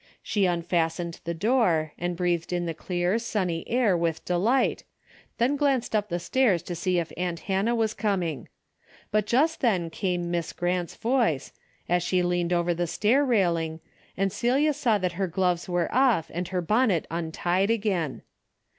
She unfastened the door and breathed in the clear sunny air with de light, then glanced up the stairs to see if aunt Hannah was coming. But just then came Miss Grant's voice, as she leaned over the stair railing, and Celia saw that her gloves were off and her bonnet untied again.